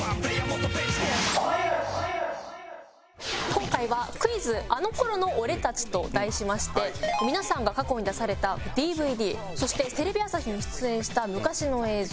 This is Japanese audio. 今回は「クイズあの頃の俺たち」と題しまして皆さんが過去に出されたＤＶＤそしてテレビ朝日に出演した昔の映像